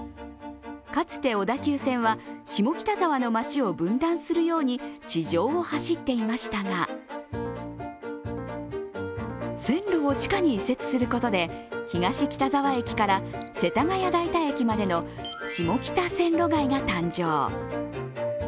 かつて小田急線は、下北沢の街を分断するように地上を走っていましたが線路を地下に移設することで東北沢駅から世田谷代田駅までの下北線路街が誕生。